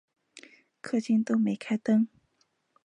客厅都没开灯